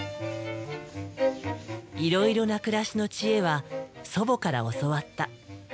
いろいろな暮らしの知恵は祖母から教わった。